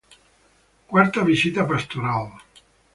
Cuarta visita Pastoral.